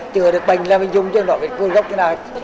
chữa được bệnh là mình dùng chứ không nói về cơ gốc như nào